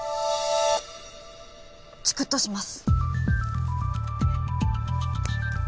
チクッとします